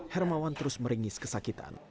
hermawan terus meringis kesakitan